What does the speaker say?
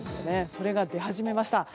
それが出始めました。